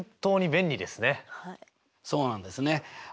そうなんですね。